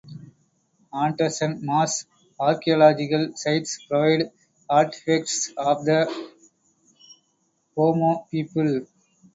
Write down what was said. Anderson Marsh's archaeological sites provide artifacts of the Pomo people.